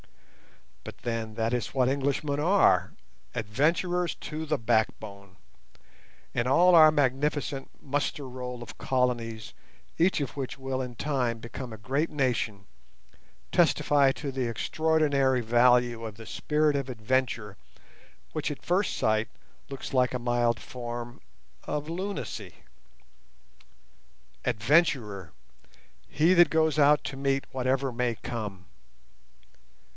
But then that is what Englishmen are, adventurers to the backbone; and all our magnificent muster roll of colonies, each of which will in time become a great nation, testify to the extraordinary value of the spirit of adventure which at first sight looks like a mild form of lunacy. "Adventurer"—he that goes out to meet whatever may come.